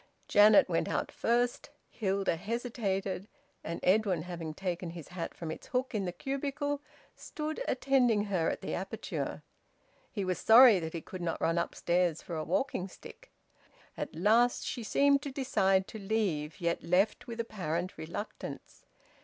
Janet went out first. Hilda hesitated; and Edwin, having taken his hat from its hook in the cubicle, stood attending her at the aperture. He was sorry that he could not run upstairs for a walking stick. At last she seemed to decide to leave, yet left with apparent reluctance.